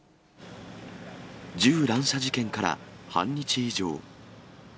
銃乱射事件から半日以上。